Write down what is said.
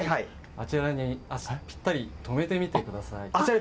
あちらにぴったり止めてみてください。